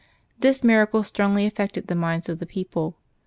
This miracle stfongly affected the minds of the people.